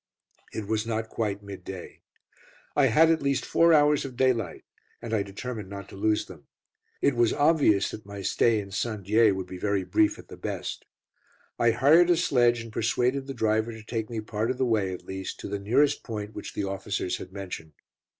It was not quite midday. I had at least four hours of daylight, and I determined not to lose them. It was obvious that my stay in St. Dié would be very brief at the best. I hired a sledge and persuaded the driver to take me part of the way at least to the nearest point which the officers had mentioned.